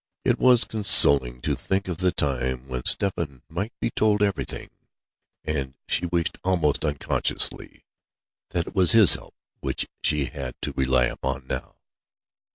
It was consoling to think of the time when Stephen might be told everything; and she wished almost unconsciously that it was his help which she had to rely upon now.